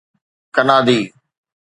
ڪنادي